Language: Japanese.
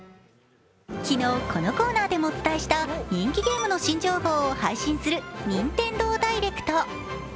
昨日、このコーナーでもお伝えした人気情報の新情報を配信するＮｉｎｔｅｎｄｏＤｉｒｅｃｔ。